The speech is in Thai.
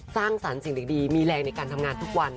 สร้างสรรค์สิ่งดีมีแรงในการทำงานทุกวัน